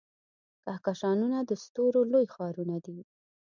کهکشانونه د ستورو لوی ښارونه دي.